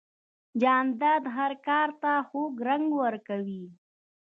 جانداد هر کار ته خوږ رنګ ورکوي.